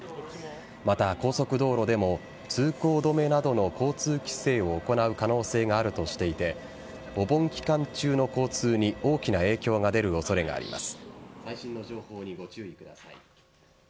また高速道路でも通行止めなどの交通規制を行う可能性があるとしていてお盆期間中の交通に大きな影響が出る恐れがあります。